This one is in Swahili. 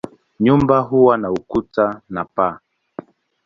Nyumba huwa na ukuta na paa.